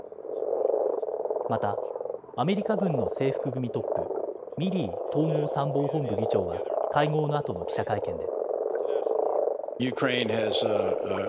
またアメリカ軍の制服組トップ、ミリー統合参謀本部議長は会合のあとの記者会見で。